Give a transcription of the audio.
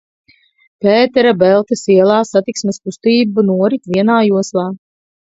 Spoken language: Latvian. Pētera Beltes ielā satiksmes kustība norit vienā joslā.